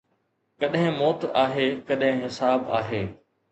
ڪڏهن موت آهي، ڪڏهن حساب آهي